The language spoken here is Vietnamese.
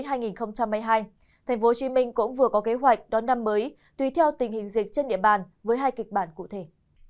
thành phố hồ chí minh cũng vừa có kế hoạch đón năm mới tùy theo tình hình dịch trên địa bàn với hai kịch bản cụ thể